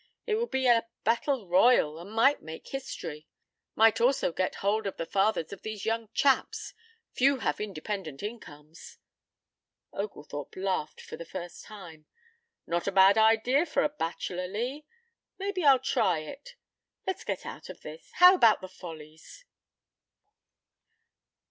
It would be a battle royal and might make history! Might also get hold of the fathers of these young chaps. Few have independent incomes." Oglethorpe laughed for the first time. "Not a bad idea for a bachelor, Lee. Maybe I'll try it. Let's get out of this. How about the Follies?"